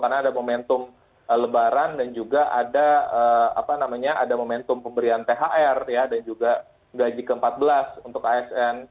karena ada momentum lebaran dan juga ada momentum pemberian thr dan juga gaji ke empat belas untuk asn